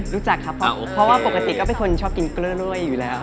รู้จักครับเพราะว่าปกติก็เป็นคนชอบกินกล้วยอยู่แล้ว